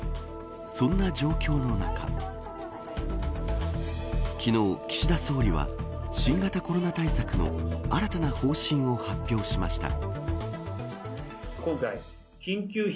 そんな状況の中昨日、岸田総理は新型コロナ対策の新たな方針を発表しました。